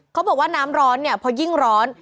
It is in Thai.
เขาบอกว่าน้ำร้อนเนี่ยพอยิ่งร้อน